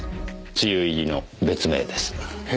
梅雨入りの別名です。へ。